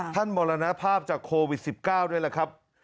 มรณภาพจากโควิด๑๙ด้วยแหละครับ